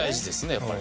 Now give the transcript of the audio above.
やっぱり。